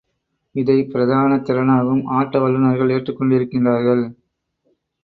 இதை பிரதான திறனாகவும், ஆட்ட வல்லுநர்கள் ஏற்றுக் கொண்டிருக்கின்றார்கள்.